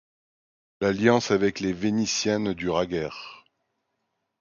L’alliance avec les Vénitiens ne dura guère.